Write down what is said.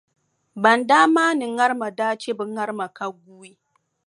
Ban daa maani bɛ ŋarima daa che bɛ ŋarima ka guui.